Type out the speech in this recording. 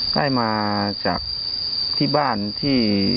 ได้มาจากที่บ้านที่